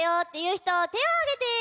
ひとてをあげて！